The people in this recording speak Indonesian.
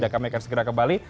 dan kami akan segera kembali